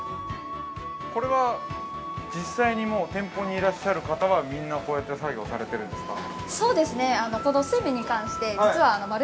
◆これは実際に店舗にいらっしゃる方がみんなこうやって作業されてるんですか。